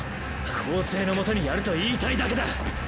⁉「公正」の下にやると言いたいだけだ。